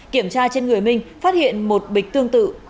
kiểm tra trên người minh phát hiện một bịch tương tự